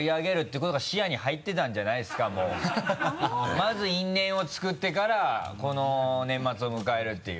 まず因縁を作ってからこの年末を迎えるっていう。